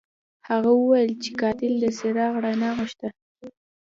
هغه وویل چې قاتل د څراغ رڼا غوښته.